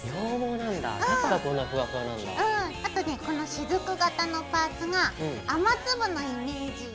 あとねこのしずく形のパーツが雨粒のイメージ。